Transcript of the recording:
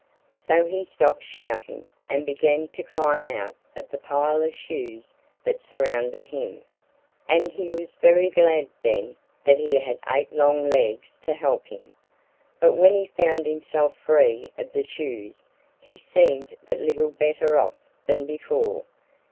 So he stopped shouting and began to climb out of the pile of shoes that surrounded him. And he was very glad, then, that he had eight long legs to help him. But when he found himself free of the shoes he seemed but little better off than before.